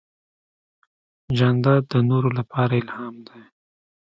جانداد د نورو لپاره الهام دی.